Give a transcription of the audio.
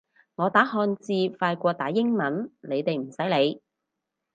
我打漢字快過打英文，你哋唔使理